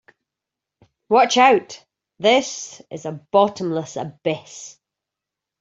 Watch out, this is a bottomless abyss!